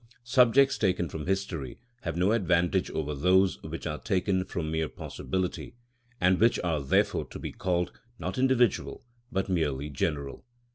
Subjects taken from history have no advantage over those which are taken from mere possibility, and which are therefore to be called, not individual, but merely general.